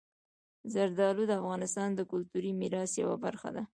زردالو د افغانستان د کلتوري میراث یوه برخه ده.